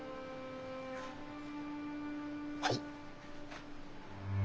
はい？